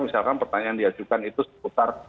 misalkan pertanyaan diajukan itu seputar